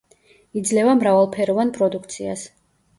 იძლევა მრავალფეროვან პროდუქციას.